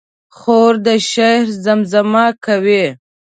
خور د شعر زمزمه کوي.